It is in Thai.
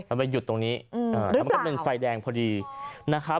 มันไปหยุดตรงนี้อือหรือเปล่ามันก็เป็นไฟแดงพอดีนะครับ